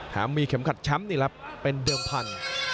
แต่มีเข็มขัดช้ำนี่แหละเป็นเดิมพัน